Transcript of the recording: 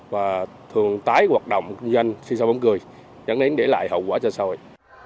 và thường tái hoạt động kinh doanh xì xa bóng cười nhắn đến để lại hậu quả cho sau